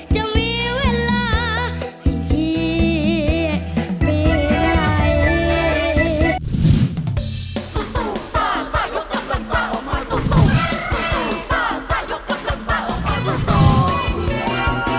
จะมีเวลาพี่เป็นไง